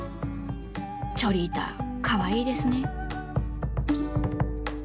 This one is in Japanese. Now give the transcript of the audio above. チョリータかわいいですね。